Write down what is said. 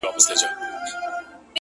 o ستا په سترگو کي سندري پيدا کيږي ـ